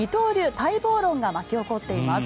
待望論が巻き起こっています。